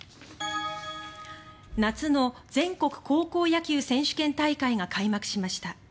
夏の全国高校野球選手権大会が開幕しました。